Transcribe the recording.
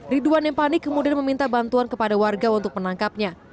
ridwan yang panik kemudian meminta bantuan kepada warga untuk menangkapnya